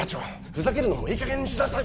ふざけるのもいいかげんにしなさい